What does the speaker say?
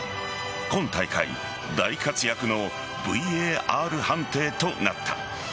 今大会大活躍のＶＡＲ判定となった。